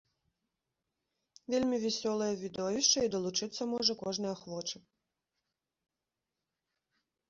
Вельмі вясёлае відовішча, і далучыцца можа кожны ахвочы!